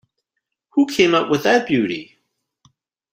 Who came up with that beauty?